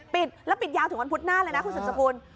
ปิดแล้วปิดยาวถึงวันพุธหน้าเลยนะคุณสุดสกุล